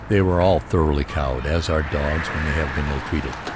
They were all thoroughly cowed, as are dogs that have been illtreated.